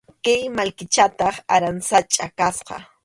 Kay mallkichataq aransachʼa kasqa.